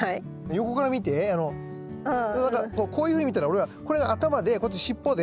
横から見てこういうふうに見たら俺はこれが頭でこっち尻尾で。